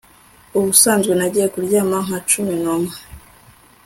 Ubusanzwe nagiye kuryama nka cumi numwe